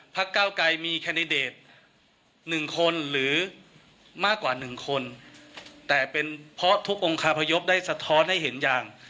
เก้าไกรมีแคนดิเดต๑คนหรือมากกว่า๑คนแต่เป็นเพราะทุกองคาพยพได้สะท้อนให้เห็นอย่าง